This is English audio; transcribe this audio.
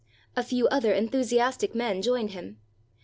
A few other enthusiastic men joined him.